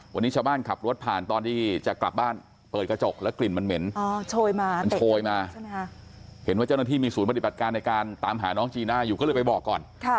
วันนี้ชาวบ้านขับรถผ่านตอนที่จะกลับบ้านเปิดกระจกแล้วกลิ่นมันเหม็นโชยมามันโชยมาเห็นว่าเจ้าหน้าที่มีศูนย์ปฏิบัติการในการตามหาน้องจีน่าอยู่ก็เลยไปบอกก่อน